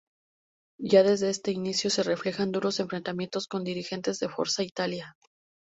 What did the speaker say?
Ya desde este inicio se reflejan duros enfrentamientos con dirigentes de Forza Italia.